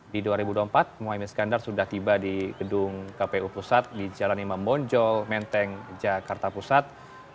di dua ribu dua puluh empat mohaimin skandar sudah tiba di gedung kpu pusat di jalan imam bonjol menteng jakarta pusat